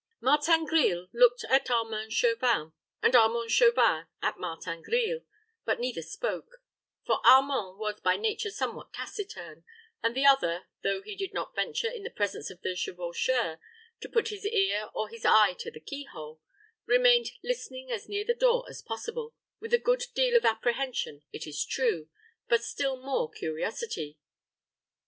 Martin Grille looked at Armand Chauvin, and Armand Chauvin at Martin Grille, but neither spoke; for Armand was by nature somewhat taciturn, and the other, though he did not venture in the presence of the chevaucheur to put his ear or his eye to the keyhole, remained listening as near the door as possible, with a good deal of apprehension it is true, but still more curiosity.